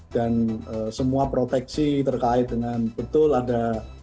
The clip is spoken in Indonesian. dan semua proteksi terkait dengan betul ada